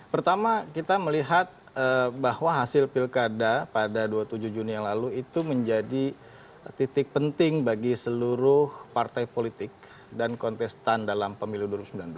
pertama kita melihat bahwa hasil pilkada pada dua puluh tujuh juni yang lalu itu menjadi titik penting bagi seluruh partai politik dan kontestan dalam pemilu dua ribu sembilan belas